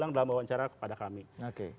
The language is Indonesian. dalam wawancara kepada kami oke